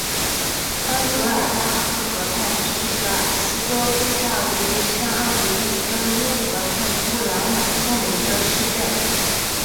恩格尔巴赫河畔皮舍尔斯多夫是奥地利上奥地利州因河畔布劳瑙县的一个市镇。